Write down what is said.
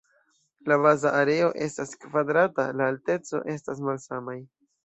La baza areo estas kvadrata, la alteco estas malsamaj.